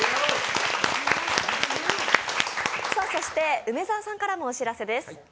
そして梅澤さんからもお知らせです。